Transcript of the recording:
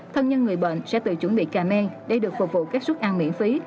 thân nhân người bệnh sẽ tự chuẩn bị cà men để được phục vụ các suất ăn miễn phí